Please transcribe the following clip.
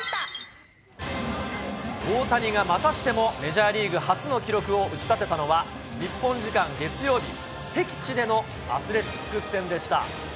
大谷がまたしても、メジャーリーグ初の記録を打ち立てたのは、日本時間月曜日、敵地でのアスレチックス戦でした。